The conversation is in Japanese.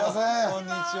こんにちは。